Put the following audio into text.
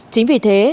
chính vì thế